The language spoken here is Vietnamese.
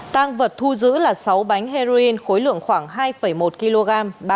tang vật thu giữ là sáu bánh heroin khối lượng khoảng hai một kg